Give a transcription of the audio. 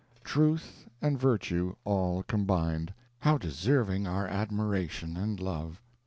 Truth and virtue all combined! How deserving our admiration and love!